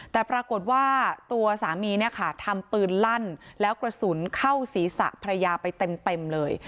แต่ปรากฏว่าตัวสามีเนี่ยค่ะทำปืนลั่นแล้วกระสุนเข้าศีรษะภรรยาไปเต็มเลย